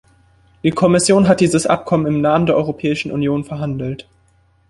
Die Kommission hat dieses Abkommen im Namen der Europäischen Union verhandelt.